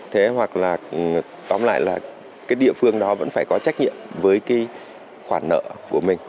thế hoặc là tóm lại là cái địa phương đó vẫn phải có trách nhiệm với cái khoản nợ của mình